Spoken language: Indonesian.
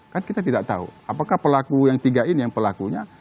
kan kita tidak tahu apakah pelaku yang tiga ini yang pelakunya